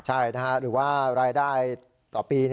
ใช่หรือว่ารายได้ต่อปี